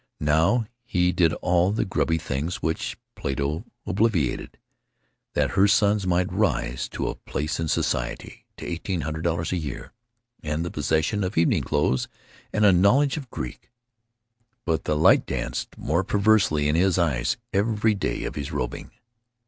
Now he did all the grubby things which Plato obviated that her sons might rise to a place in society, to eighteen hundred dollars a year and the possession of evening clothes and a knowledge of Greek. But the light danced more perversely in his eyes every day of his roving.